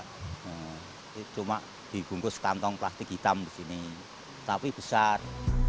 ini cuma dibungkus kantong plastik hitam di sini tapi besar